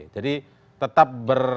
jadi tetap berhubungan